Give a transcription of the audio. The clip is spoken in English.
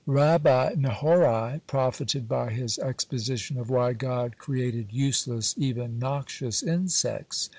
(76) Rabbi Nehorai profited by his exposition of why God created useless, even noxious insects.